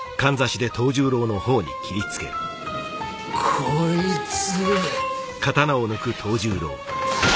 こいつ！